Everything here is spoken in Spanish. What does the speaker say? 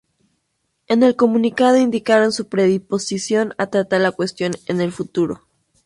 En el comunicado indicaron su predisposición a tratar la cuestión en el futuro.